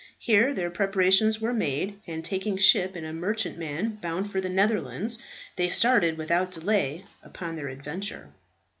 Here their preparations were soon made, and taking ship in a merchantman bound for the Netherlands, they started without delay upon their adventure.